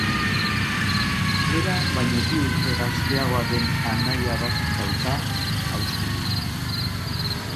Bera baino bi urte gazteagoa den anaia bat dauka, Austin.